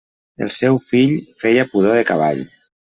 El seu fill feia pudor de cavall.